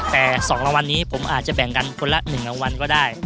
แต่๒รางวัลนี้ผมอาจจะแบ่งกันคนละ๑รางวัลก็ได้